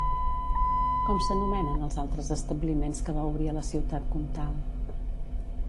Com s'anomenen els altres establiments que va obrir a la Ciutat Comtal?